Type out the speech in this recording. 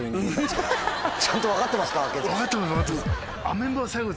ちゃんと分かってますか？